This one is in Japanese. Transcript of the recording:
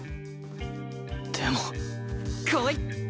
でもこい！